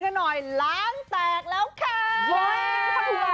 ล้านแตกแล้วค่า